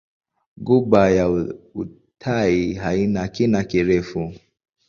Ghuba ya Uthai haina kina kirefu.